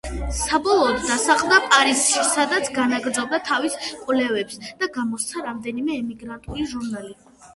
საბოლოოდ დასახლდა პარიზში, სადაც განაგრძობდა თავის კვლევებს და გამოსცა რამდენიმე ემიგრანტული ჟურნალი.